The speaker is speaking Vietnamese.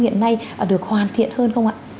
hiện nay được hoàn thiện hơn không ạ